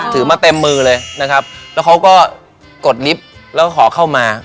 ถือมาเต็มมือเลยนะครับแล้วเขาก็กดลิฟต์แล้วขอเข้ามา